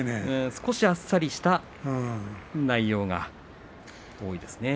少しあっさりした内容が多いですね。